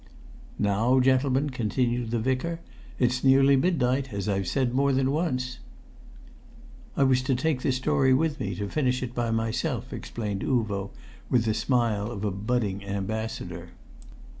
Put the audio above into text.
"Now, gentlemen," continued the Vicar, "it's nearly midnight, as I've said more than once." "I was to take the story with me, to finish it by myself," explained Uvo, with the smile of a budding ambassador.